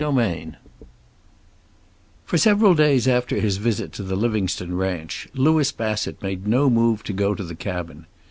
XXII For several days after his visit to the Livingstone ranch Louis Bassett made no move to go to the cabin.